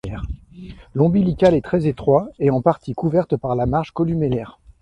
L'ombilical est très étroit et en partie couverte par la marge columellaire.